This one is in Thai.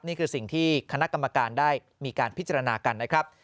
นี่คือสิ่งที่คณะกรรมการได้มีการพิจารณากันนะครับ